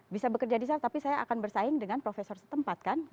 bisa bekerja di sana tapi saya akan bersaing dengan profesor setempat kan